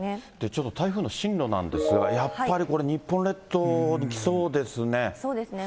ちょっと台風の進路なんですが、やっぱりこれ、そうですね。